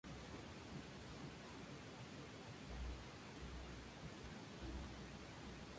A su vez, dentro de estos torneos hay competiciones.